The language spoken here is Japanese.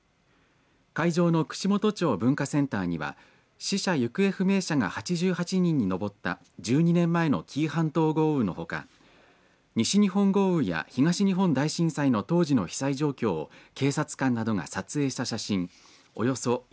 会場の串本町文化センターには死者、行方不明者が８８人に上った１２年前の紀伊半島豪雨のほか東日本大震災や西日本豪雨の当時の被災状況を警察官などが撮影した写真